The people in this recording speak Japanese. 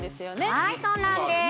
はいそうなんです